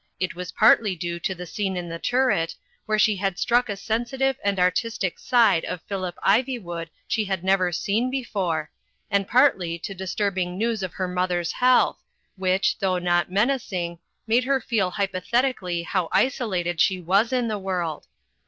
It was partly due to the scene in the turret, where she had struck a sensitive and artistic side of Phillip Ivywood she had never seen before, and partly to disturbing news of her mother's health, which, though not menacing, made her feel hypothetically how isolated she was in the world.